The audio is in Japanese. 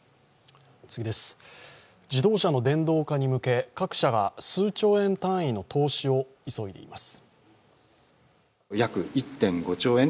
自動車の電動化に向け、各社が数兆円単位の投資を急いでいます。